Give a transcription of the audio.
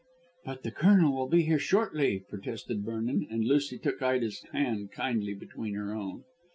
"But the Colonel will be here shortly," protested Vernon, and Lucy took Ida's hand kindly between her own.